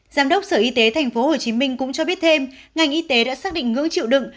giám đốc sở y tế tp hcm cũng cho biết thêm ngành y tế đã xác định ngưỡng chịu đựng